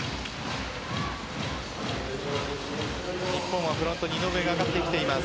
日本はフロントに井上が上がってきています。